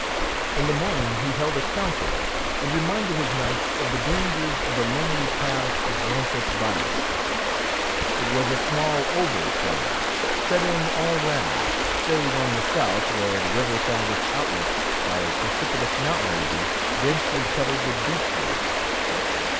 In the morning he held a council and reminded his knights of the dangers of the lonely pass of Roncesvalles. It was a small oval plain, shut in all round, save on the south where the river found its outlet, by precipitous mountain ridges densely covered with beech woods.